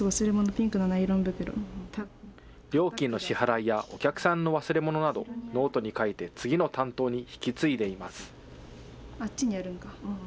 料金の支払いやお客さんの忘れ物など、ノートに書いて、次の担当に引き継いでいます。